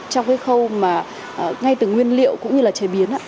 trong cái khâu mà ngay từ nguyên liệu cũng như là chế biến